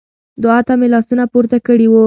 دعا ته مې لاسونه پورته کړي وو.